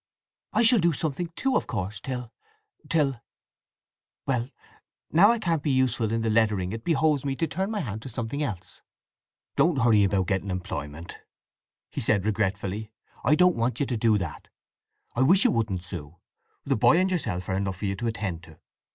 "I shall do something too, of course, till—till— Well, now I can't be useful in the lettering it behoves me to turn my hand to something else." "Don't hurry about getting employment," he said regretfully. "I don't want you to do that. I wish you wouldn't, Sue. The boy and yourself are enough for you to attend to."